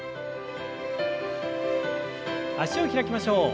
脚を開きましょう。